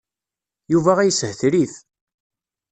Yuba a yeshetrif.